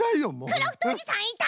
クラフトおじさんいた！